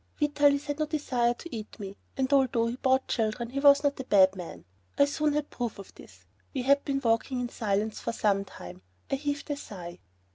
Vitalis had no desire to eat me and although he bought children he was not a bad man. I soon had proof of this. We had been walking in silence for some time. I heaved a sigh.